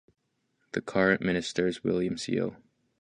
The current minister is William Sio.